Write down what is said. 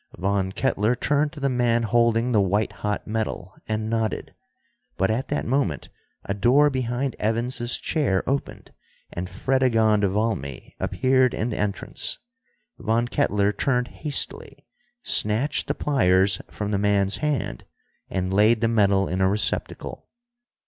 Von Kettler turned to the man holding the white hot metal, and nodded. But at that moment a door behind Evans's chair opened, and Fredegonde Valmy appeared in the entrance. Von Kettler turned hastily, snatched the pliers from the man's hand, and laid the metal in a receptacle.